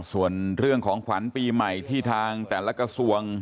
ส่วนเรื่องของขวัญปีใหม่ที่ทางแต่ละกระทรวง